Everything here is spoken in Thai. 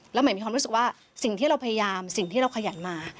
แล้วหมายมีความรู้สึกว่าสิ่งที่เราพยายามสิ่งที่เราขยันมา